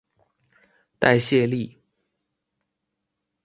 代謝力